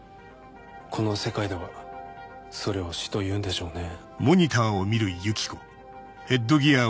この世界ではそれを死というんでしょうね。